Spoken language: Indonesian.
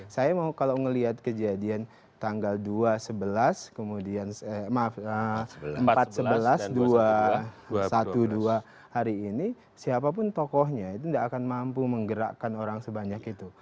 saya mau kalau melihat kejadian tanggal dua sebelas kemudian eh maaf empat sebelas dua satu dua hari ini siapapun tokohnya itu tidak akan mampu menggerakkan orang sebanyak itu